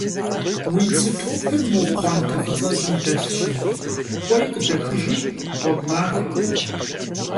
Vui tsı topır mo pxhuante f'ıts'ejım delhşi k'uei khıdexıjji, ğuegu maxue.